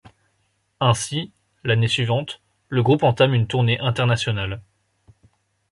Ainsi, l'année suivante, le groupe entame une tournée internationale.